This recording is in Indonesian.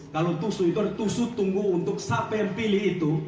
kalau tusu itu tusu tunggu untuk saper pilih itu